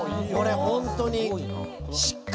これ本当に。